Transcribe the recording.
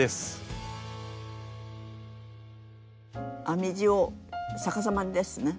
編み地を逆さまですね